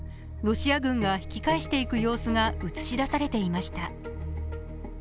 ロシア軍が引き返していく様子が映し出されていました。